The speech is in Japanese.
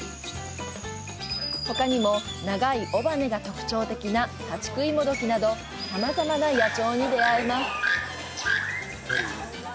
ほかにも、長い尾羽が特徴的なハチクイモドキなどさまざまな野鳥に出会えます。